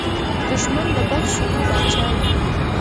دښمن د بد شګو پاچا وي